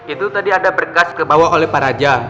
itu tadi ada berkas dibawa oleh pak raja